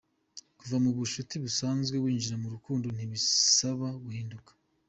kuva mu bucuti busanzwe winjira mu rukundo ntibisaba guhinduka.